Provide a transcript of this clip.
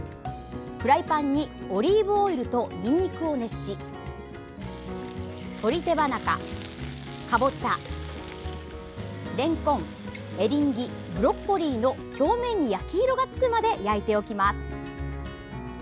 フライパンにオリーブオイルとにんにくを熱し鶏手羽中、かぼちゃ、れんこんエリンギ、ブロッコリーの表面に焼き色がつくまで焼いておきます。